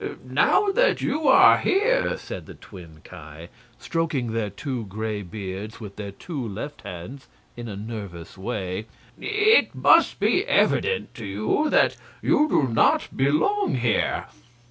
"Now that you are here," said the twin Ki, stroking their two gray beards with their two left hands in a nervous way, "it must be evident to you that you do not belong here.